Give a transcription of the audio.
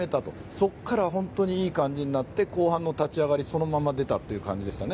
そこからは本当にいい感じになって後半の立ち上がりそのまま出たという形でしたね。